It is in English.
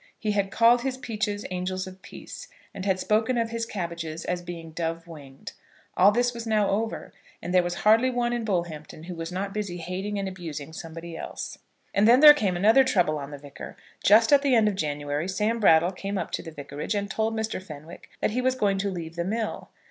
He had called his peaches angels of peace, and had spoken of his cabbages as being dove winged. All this was now over, and there was hardly one in Bullhampton who was not busy hating and abusing somebody else. And then there came another trouble on the Vicar. Just at the end of January, Sam Brattle came up to the Vicarage and told Mr. Fenwick that he was going to leave the mill.